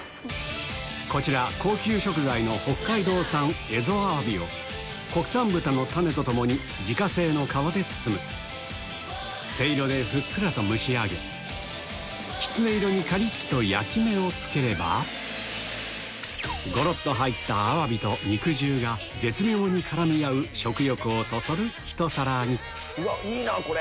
こちら高級食材の国産豚のタネと共に自家製の皮で包むせいろでふっくらと蒸し上げきつね色にカリっと焼き目をつければごろっと入ったアワビと肉汁が絶妙に絡み合う食欲をそそるひと皿にいいなぁこれ。